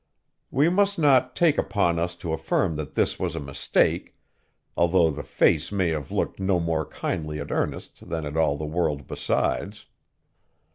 We must not take upon us to affirm that this was a mistake, although the Face may have looked no more kindly at Ernest than at all the world besides.